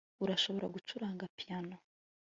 urashobora gucuranga piyano